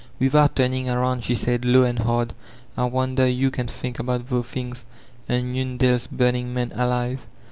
Without turning around she said« low and hard, *'I wonder ye can thenk aboot thae things, an' yon deOs bumin' men alive."